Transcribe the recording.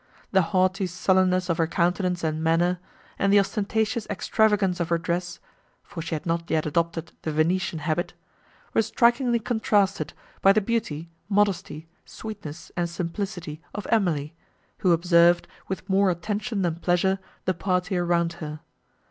The haughty sullenness of her countenance and manner, and the ostentatious extravagance of her dress, for she had not yet adopted the Venetian habit, were strikingly contrasted by the beauty, modesty, sweetness and simplicity of Emily, who observed, with more attention than pleasure, the party around her.